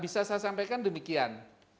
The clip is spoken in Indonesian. bisa saya sampaikan demikian